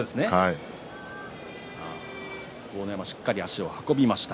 豪ノ山、しっかり足を運びました。